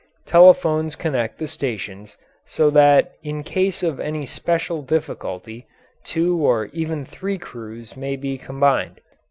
Telephones connect the stations, so that in case of any special difficulty two or even three crews may be combined.